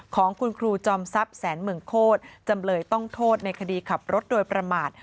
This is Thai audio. ของคุณครูจอมทรัพย์แสนเมืองโคตรจำเลยต้องโทษในคดีขับรถโดยประมาท